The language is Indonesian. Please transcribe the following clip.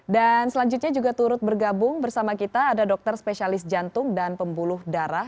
dan selanjutnya juga turut bergabung bersama kita ada dokter spesialis jantung dan pembuluh darah